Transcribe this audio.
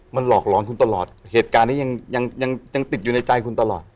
มันหลอกหลอนคุณตลอดเหตุการณ์นี้ยังยังติดอยู่ในใจคุณตลอด